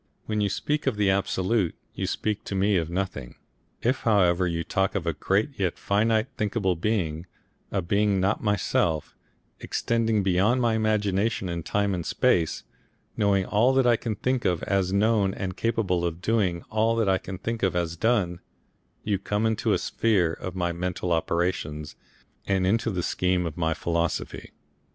When you speak of the Absolute you speak to me of nothing. If however you talk of a great yet finite and thinkable being, a being not myself, extending beyond my imagination in time and space, knowing all that I can think of as known and capable of doing all that I can think of as done, you come into the sphere of my mental operations, and into the scheme of my philosophy....